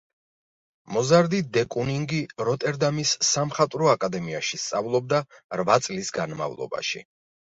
მოზარდი დე კუნინგი როტერდამის სამხატვრო აკადემიაში სწავლობდა რვა წლის განმავლობაში.